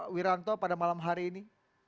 selamat malam hari ini